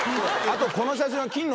あとこの写真は。